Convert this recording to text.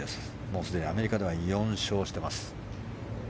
もうすでにアメリカでは４勝しています。